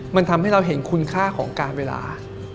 มันทำให้เราเห็นคุณค่าของการเวลา